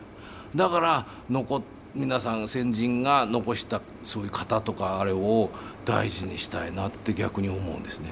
だから皆さん先人が残したそういう型とかあれを大事にしたいなって逆に思うんですね。